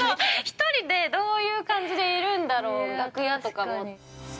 ◆１人でどういう感じでいるんだろうって、楽屋とか。